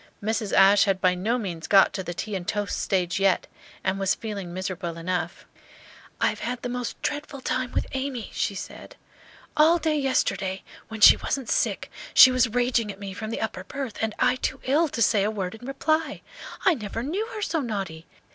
Mrs. Ashe had by no means got to the tea and toast stage yet, and was feeling miserable enough. "I have had the most dreadful time with Amy," she said. "All day yesterday, when she wasn't sick she was raging at me from the upper berth, and I too ill to say a word in reply. I never knew her so naughty!